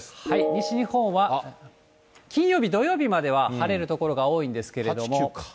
西日本は、金曜日、土曜日までは晴れる所が多いんですけれども。